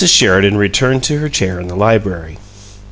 Sheridan returned to her chair in the library.